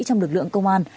trong lực lượng công an